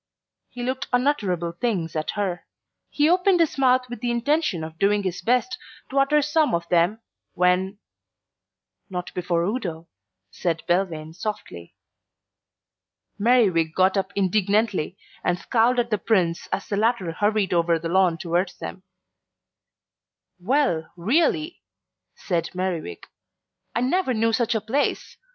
He looked unutterable things at her. He opened his mouth with the intention of doing his best to utter some of them, when "Not before Udo," said Belvane softly. Merriwig got up indignantly and scowled at the Prince as the latter hurried over the lawn towards them. "Well, really," said Merriwig, "I never knew such a place.